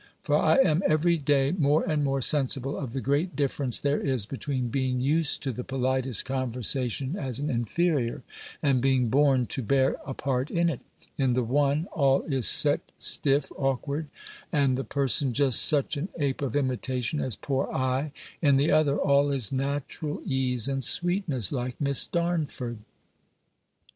For I am every day more and more sensible of the great difference there is between being used to the politest conversation as an inferior, and being born to bear a part in it: in the one, all is set, stiff, awkward, and the person just such an ape of imitation as poor I; in the other, all is natural ease and sweetness like Miss Darnford.